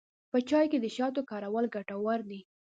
په چای کې د شاتو کارول ګټور دي.